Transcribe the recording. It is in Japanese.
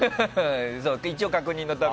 一応確認のため。